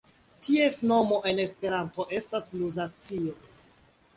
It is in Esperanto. Ties nomo en Esperanto estas Luzacio.